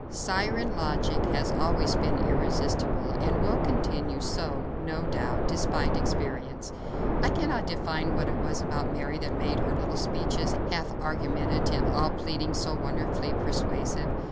Siren logic has always been irresistible and will continue so, no doubt, despite experience. I cannot define what it was about Mary that made her little speeches, half argumentative, all pleading, so wonderfully persuasive.